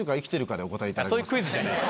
でお答えいただきます。